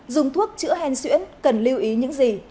dùng thuốc chữa hen xuyễn cần lưu ý những gì